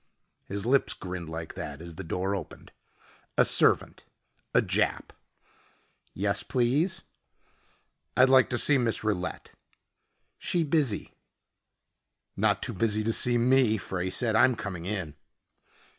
His lips grinned like that as the door opened. A servant, a Jap. "Yes, please?" "I'd like to see Miss Rillette." "She busy." "Not too busy to see me," Frey said. "I'm coming in."